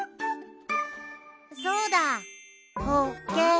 そうだ！